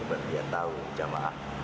buat dia tahu jamaah